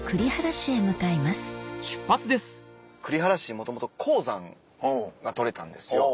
もともと鉱山が採れたんですよ。